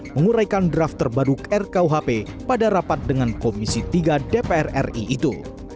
menguraikan draft terbaru rkuhp pada rapat dengan komisi tiga dpr ri itu